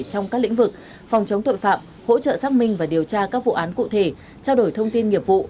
trong các lĩnh vực phòng chống tội phạm hỗ trợ xác minh và điều tra các vụ án cụ thể trao đổi thông tin nghiệp vụ